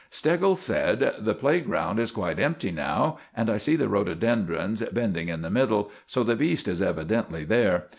Steggles said, "The playground is quite empty now, and I see the rhododendrons bending in the middle, so the beast is evidently there.